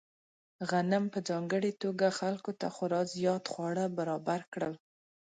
غنم په ځانګړې توګه خلکو ته خورا زیات خواړه برابر کړل.